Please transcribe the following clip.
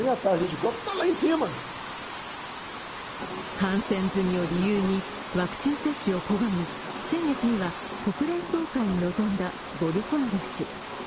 感染済みを理由にワクチン接種を拒み先月には国連総会に臨んだボルソナロ氏。